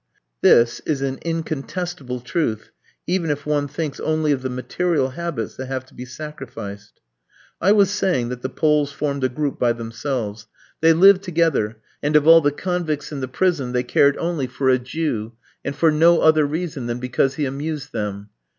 This is an incontestable truth, even if one thinks only of the material habits that have to be sacrificed. I was saying that the Poles formed a group by themselves. They lived together, and of all the convicts in the prison, they cared only for a Jew, and for no other reason than because he amused them.